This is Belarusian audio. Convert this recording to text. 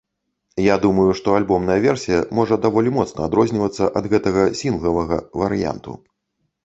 Я думаю, што альбомная версія можа даволі моцна адрознівацца ад гэтага сінглавага варыянту.